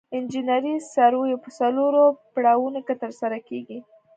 انجنیري سروې په څلورو پړاوونو کې ترسره کیږي